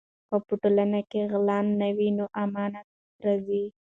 که په ټولنه کې غلا نه وي نو امنیت راځي.